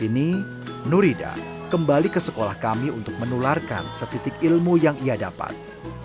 kini nurida kembali ke sekolah kami untuk menularkan setitik ilmu yang ia dapat